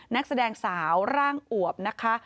นักแสดงสาวร่างอวบนะคะ